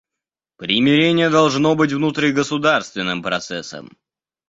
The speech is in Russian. Примирение должно быть внутригосударственным процессом.